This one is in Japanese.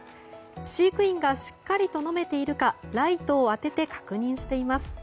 飼育員がしっかりと飲めているかライトを当てて確認しています。